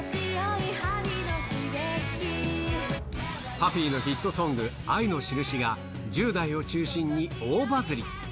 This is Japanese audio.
パフィーのヒットソング、愛のしるしが、１０代を中心に大バズり。